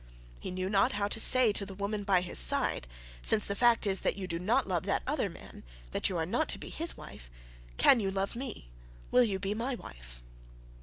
He knew not how to say to the woman at his side, 'Since the fact is that you do not love that other man, that you are not to be his wife, can you love me, will you be my wife?'